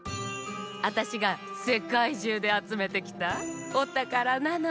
あたしがせかいじゅうであつめてきたおたからなの。